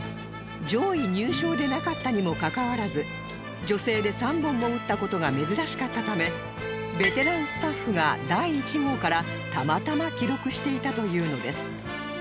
上位入賞でなかったにもかかわらず女性で３本も打った事が珍しかったためベテランスタッフが第１号からたまたま記録していたというのです